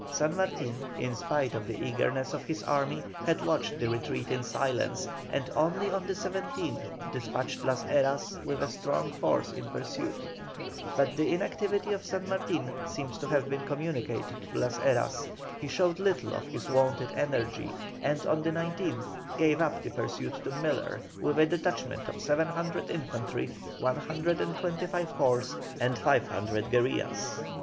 San Martin, in spite of the eagerness of his army, had watched the retreat in silence, and only on the 17th despatched Las Heras with a strong force in pursuit. But the inactivity of San Martin seems to have been communicated to Las Heras; he showed little of his wonted energy, and on the 19th gave up the pursuit to Miller, with a detachment of 700 infantry, 125 horse, and 500 guerillas.